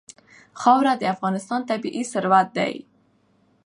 خاوره د افغانستان طبعي ثروت دی.